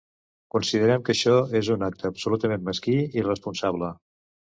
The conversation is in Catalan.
Considerem que això és un acte absolutament mesquí i irresponsable.